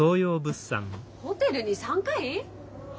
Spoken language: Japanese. ホテルに３回？